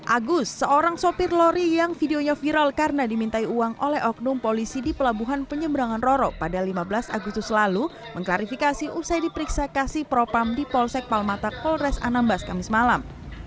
agus seorang sopir lori yang videonya viral karena dimintai uang oleh oknum polisi di pelabuhan penyeberangan roro pada lima belas agustus lalu mengklarifikasi usai diperiksa kasih propam di polsek palmatak polres anambas kamis malam